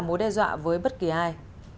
mối đe dọa với bất kỳ ai